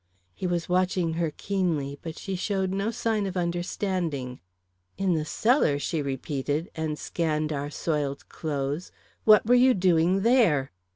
He was watching her keenly, but she showed no sign of understanding. "In the cellar?" she repeated, and scanned our soiled clothes. "What were you doing there?"